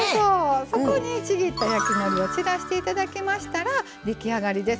そこにちぎった焼きのりを散らして頂けましたら出来上がりです。